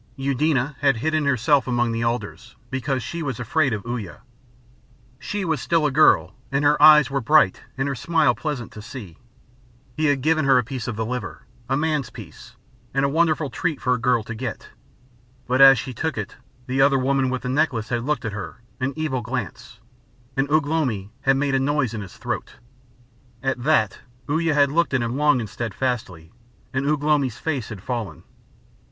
Eudena had hidden herself among the alders, because she was afraid of Uya. She was still a girl, and her eyes were bright and her smile pleasant to see. He had given her a piece of the liver, a man's piece, and a wonderful treat for a girl to get; but as she took it the other woman with the necklace had looked at her, an evil glance, and Ugh lomi had made a noise in his throat. At that, Uya had looked at him long and steadfastly, and Ugh lomi's face had fallen.